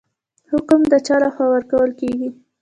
حکم د چا لخوا ورکول کیږي؟